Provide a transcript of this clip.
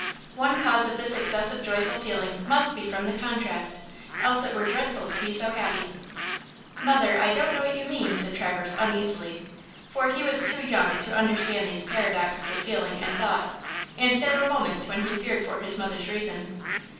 One cause of this excess of joyful feeling must be from the contrast; else it were dreadful to be so happy." "Mother, I don't know what you mean," said Traverse uneasily, for he was too young to understand these paradoxes of feeling and thought, and there were moments when he feared for his mother's reason.